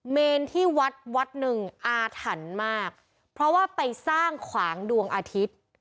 เมนที่วัดวัดหนึ่งอาถรรพ์มากเพราะว่าไปสร้างขวางดวงอาทิตย์